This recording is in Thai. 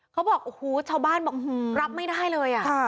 เขาบอกโอ้โหชาวบ้านบอกรับไม่ได้เลย